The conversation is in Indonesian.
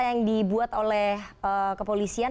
yang dibuat oleh kepolisian